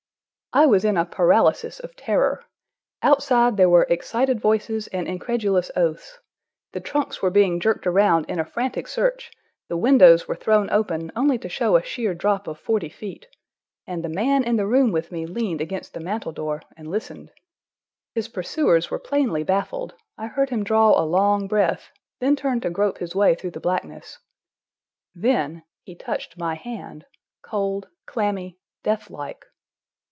I was in a paralysis of terror. Outside there were excited voices and incredulous oaths. The trunks were being jerked around in a frantic search, the windows were thrown open, only to show a sheer drop of forty feet. And the man in the room with me leaned against the mantel door and listened. His pursuers were plainly baffled: I heard him draw a long breath, and turn to grope his way through the blackness. Then—he touched my hand, cold, clammy, death like.